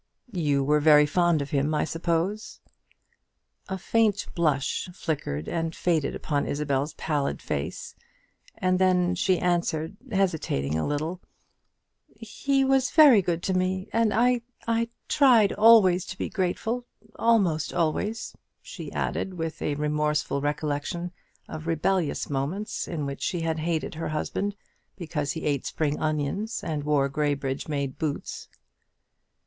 "You were very fond of him, I suppose?" A faint blush flickered and faded upon Isabel's pallid face; and then she answered, hesitating a little, "He was very good to me, and I I tried always to be grateful almost always," she added, with a remorseful recollection of rebellious moments in which she had hated her husband because he ate spring onions, and wore Graybridge made boots.